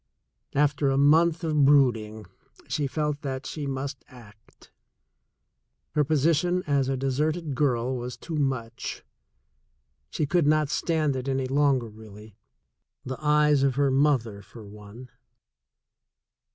After a month of brooding, she felt that she must act — her position as a deserted girl was too much. She could not stand it any longer really — the eyes of her mother, for one.